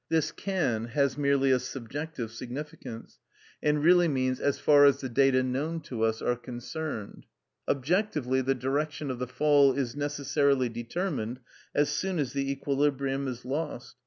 This can has merely a subjective significance, and really means "as far as the data known to us are concerned." Objectively, the direction of the fall is necessarily determined as soon as the equilibrium is lost.